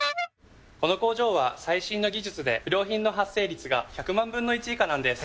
この工場は最新の技術で不良品の発生率が１００万分の１以下なんです。